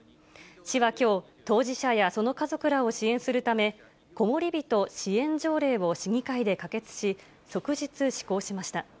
市はきょう、当事者やその家族らを支援するため、こもりびと支援条例を市議会で可決し、即日施行しました。